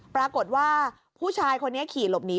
ปรากฏว่าผู้ชายคนนี้ขี่หลบหนี